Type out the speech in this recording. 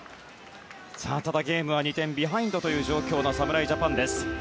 ただゲームは２点ビハインドという状況の侍ジャパン。